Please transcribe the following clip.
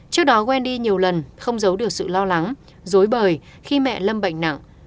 trước đó wendy nhiều lần không giấu được sự lo lắng dối bời khi mẹ lâm bệnh nặng